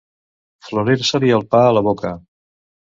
Florir-se-li el pa a la boca.